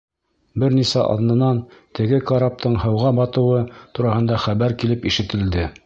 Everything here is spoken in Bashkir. Бер нисә аҙнанан теге караптың һыуға батыуы тураһында хәбәр килеп ишетелде.